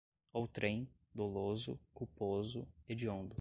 outrem, doloso, culposo, hediondo